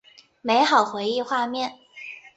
美好回忆画面